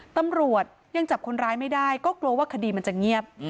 ตำรวจยังจับคนร้ายไม่ได้ก็กลัวว่าคดีมันจะเงียบ